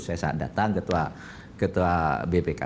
saya datang ketua bpk